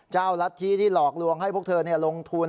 รัฐธิที่หลอกลวงให้พวกเธอลงทุน